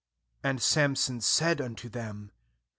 3And Samson said unto them.